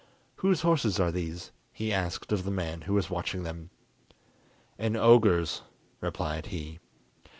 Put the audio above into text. "Whose horses are these?" he asked of the man who was watching them. "An ogre's," replied he.